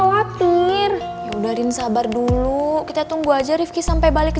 jadi gw eb opo ipa sudah katornya kalah regisi udah liat "